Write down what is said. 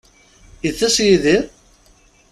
Itess Yidir?